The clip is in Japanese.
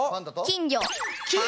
金魚！